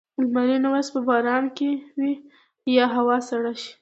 لمرینه ورځ به باران وي یا هوا سړه شي.